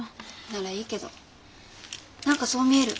ならいいけど何かそう見える。